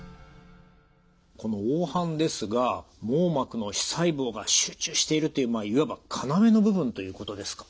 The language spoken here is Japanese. この黄斑ですが網膜の視細胞が集中しているといういわば要の部分ということですか？